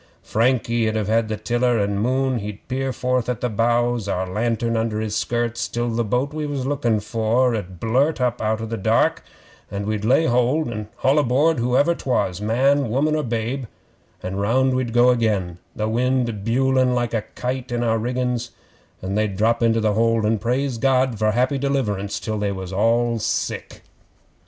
Frankie 'ud have the tiller and Moon he'd peer forth at the bows, our lantern under his skirts, till the boat we was lookin' for 'ud blurt up out o' the dark, and we'd lay hold and haul aboard whoever 'twas man, woman, or babe an' round we'd go again, the wind bewling like a kite in our riggin's, and they'd drop into the hold and praise God for happy deliverance till they was all sick.